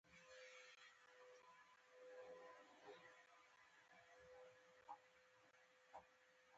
نجونې به تر هغه وخته پورې مسلکي زدکړې کوي.